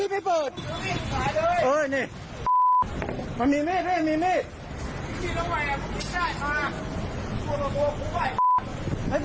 ไม่เปิดฝ่ายเยาว์แล้วผิดอีก